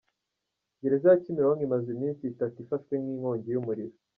Gereza ya Kimironko imaze iminsi itatu ifashwe n'inkongi y'umuriro.